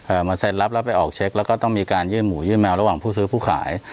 มาเซ็นรับแล้วไปออกเช็คแล้วก็ต้องมีการยื่นหมูยื่นแมวระหว่างผู้ซื้อผู้ขาย